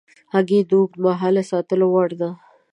هګۍ د اوږد مهاله ساتلو وړ ده.